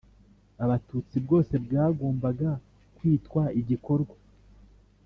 abatutsi bwose bwagombaga kwitwa igikorwa